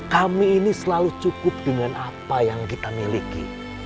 kami ini selalu cukup dengan apa yang kita miliki